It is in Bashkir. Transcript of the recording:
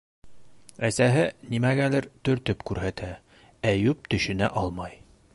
Әсәһе нимәгәлер төртөп күрһәтә, Әйүп төшөнә алмай...